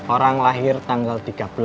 orang lahir tanggal tiga belas